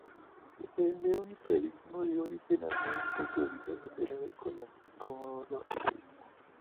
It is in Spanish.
El Neo-Imperialismo dio origen a nuevos puntos de vista sociales del colonialismo.